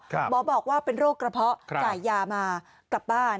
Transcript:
หมอบอกว่าเป็นโรคกระเพาะจ่ายยามากลับบ้าน